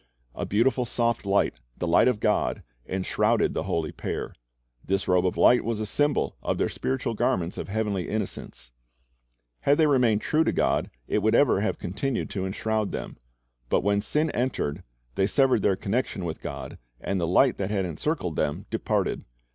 A beautiful soft light, the light of God, enshrouded the holy ' Rev. 22 : 12 2 Rev. 19 : 8; Eph. 5 : 27 IV i tJioiit a I Ve d d i n g G a r ?n cut 311 pair. This robe of light was a symbol of their spiritual garments of heavenly innocence. Had they remained true to God, it would ever have continued to enshroud them. But when sin entered, they severed their connection with God, and the light that had encircled them departed.